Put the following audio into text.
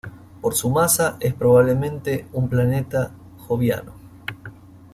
Por su masa, es probablemente un planeta joviano.